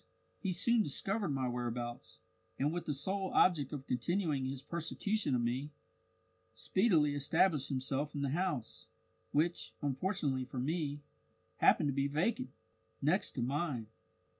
he soon discovered my whereabouts, and with the sole object of continuing his persecution of me, speedily established himself in the house which, unfortunately for me, happened to be vacant next to mine.